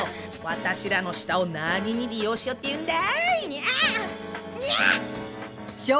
私らの舌を何に利用しようっていうんだ！